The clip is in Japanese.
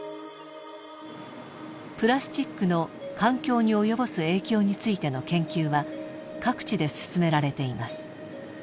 プラスチックの環境に及ぼす影響についての研究は各地で進められています。